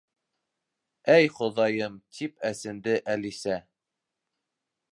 Әй хоҙайым! —тип әсенде Әлисә.